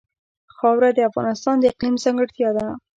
خاوره د افغانستان د اقلیم ځانګړتیا ده.